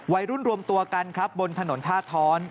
รวมตัวกันครับบนถนนท่าท้อน